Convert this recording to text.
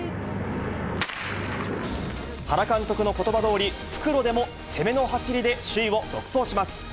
原監督のことばどおり、復路でも攻めの走りで首位を独走します。